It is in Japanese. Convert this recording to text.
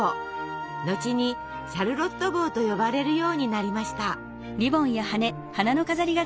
後に「シャルロット帽」と呼ばれるようになりました。